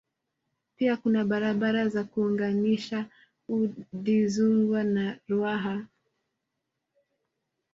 Pia kuna barabara za kuunganishia Udizungwa na Ruaha